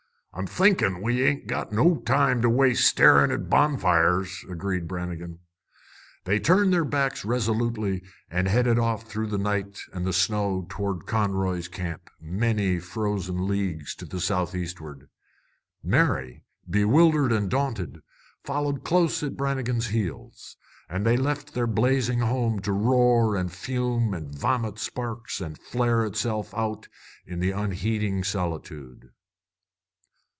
"I'm thinkin' we ain't got no time to waste starin' at bonfires," agreed Brannigan. They turned their backs resolutely and headed off through the night and the snow toward Conroy's Camp, many frozen leagues to the south eastward. Mary, bewildered and daunted, followed close at Brannigan's heels. And they left their blazing home to roar and fume and vomit sparks and flare itself out in the unheeding solitude.